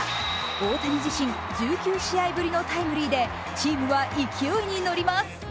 大谷自身１９試合ぶりのタイムリーで、チームは勢いに乗ります。